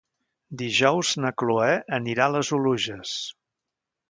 Dijous na Cloè anirà a les Oluges.